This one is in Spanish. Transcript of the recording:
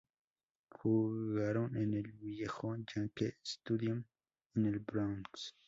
Jugaron en el viejo Yankee Stadium en el Bronx.